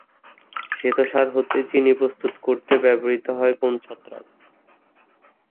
শ্বেতসার হতে চিনি প্রস্তুত করতে ব্যবহৃত হয় কোন ছত্রাক?